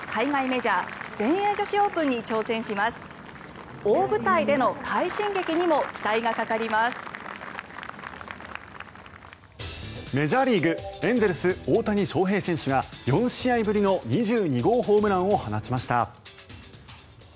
メジャーリーグエンゼルス、大谷翔平選手が４試合ぶりの２２号ホームランを放ちました。